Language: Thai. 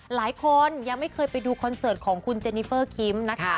หลายคนยังไม่เคยไปดูคอนเสิร์ตของคุณเจนิเฟอร์คิมนะคะ